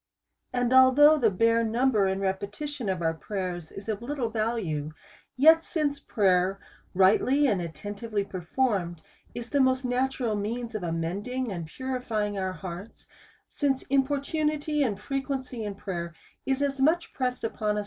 And although the bare number and repetition of our prayers is of little value, yet since prayer, rightly and attentively performed, is the most natural means of amending and purifying our hearts ; since importunity and frequency in prayer is as much pressed upon us DEVOUT AND HOLY LIFE.